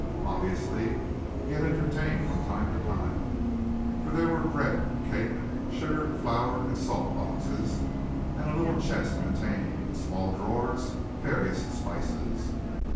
Obviously he had entertained from time to time, for there were bread, cake, sugar, flour and salt boxes and a little chest containing, in small drawers, various spices.